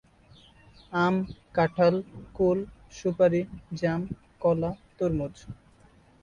আম, কাঁঠাল, কুল, সুপারি, জাম, কলা, তরমুজ।